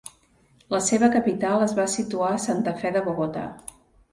La seva capital es va situar a Santa Fe de Bogotà.